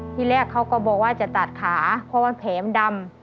ที่แรกเขาก็บอกว่าจะตัดขาเพราะว่าแผลมันดำ